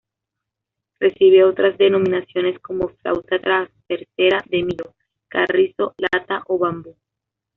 Recibe otras denominaciones como flauta travesera de millo, carrizo, lata o bambú.